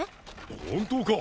本当か！？